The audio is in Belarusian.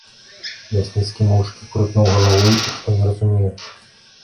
Лясніцкі моўчкі крутнуў галавой, што не разумее.